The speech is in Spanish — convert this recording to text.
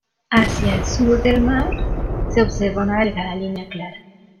Hacia el sur del mar se observa una delgada línea clara.